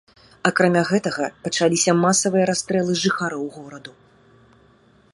Акрамя гэтага, пачаліся масавыя расстрэлы жыхароў гораду.